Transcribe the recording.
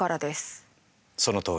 そのとおり。